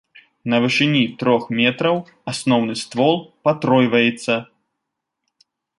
На вышыні трох метраў асноўны ствол патройваецца.